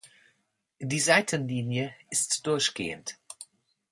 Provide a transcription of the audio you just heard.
Die Seitenlinie ist durchgehend.